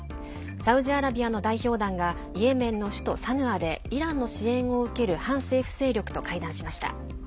サウジアラビアの代表団がイエメンの首都サヌアでイランの支援を受ける反政府勢力と会談しました。